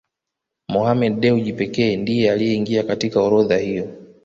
Mohammed Dewji pekee ndiye aliyeingia katika orodha hiyo